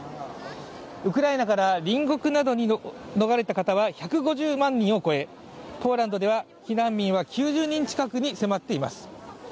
ウクライナから隣国などに逃れた方は１５０万人を超えポーランドでは避難民は９０人近くに迫っています。